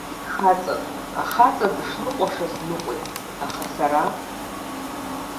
Уи дхаҵан, ахаҵа дышныҟәашаз дныҟәеит, аха сара?!